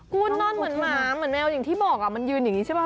คุณนอนเหมือนหมาเหมือนแมวอย่างที่บอกมันยืนอย่างนี้ใช่ป่